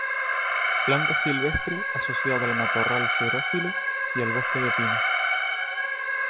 Planta silvestre, asociada al matorral xerófilo y al bosque de pino.